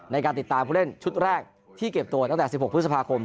ในการติดตามผู้เล่นชุดแรกที่เก็บตัวตั้งแต่๑๖พฤษภาคม